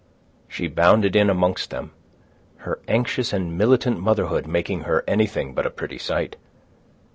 She bounded in amongst them, her anxious and militant motherhood making her anything but a pretty sight.